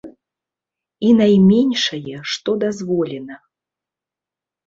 І найменшае, што дазволена.